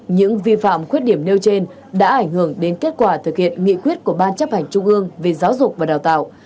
những vi phạm khuyết điểm nêu trên đã ảnh hưởng đến kết quả thực hiện nghị quyết của ban chấp hành trung ương về giáo dục và đào tạo